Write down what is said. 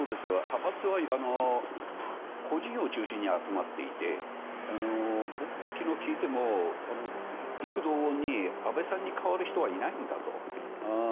派閥は個人を中心に集まっていて僕も昨日聞いても、異口同音に安倍さんに代わる人はいないんだと。